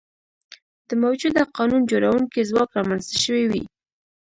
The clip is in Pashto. د موجوده قانون جوړوونکي ځواک رامنځته شوي وي.